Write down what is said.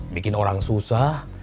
bikin orang susah